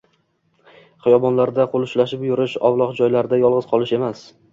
xiyobonlarda qo‘l ushlashib yurish, ovloq joylarda yolg‘iz qolish emas